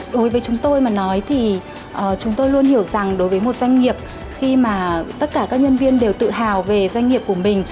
đối với chúng tôi mà nói thì chúng tôi luôn hiểu rằng đối với một doanh nghiệp khi mà tất cả các nhân viên đều tự hào về doanh nghiệp của mình